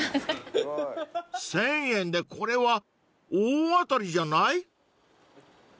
［１，０００円でこれは大当たりじゃない？］